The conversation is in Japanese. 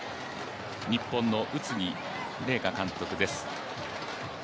日本の宇津木麗華監督です。